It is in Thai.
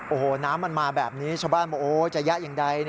โอ้โหน้ำมันมาแบบนี้ชาวบ้านบอกจะยักษ์อย่างไร